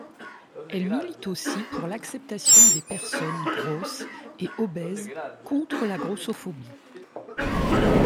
Elle milite aussi pour l'acceptation des personnes grosses et obèses, contre la grossophobie.